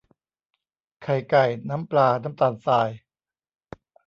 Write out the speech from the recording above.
ไข่ไก่ น้ำปลา น้ำตาลทราย